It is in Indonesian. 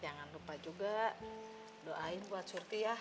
jangan lupa juga doain buat surti ya